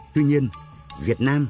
tuy nhiên việt nam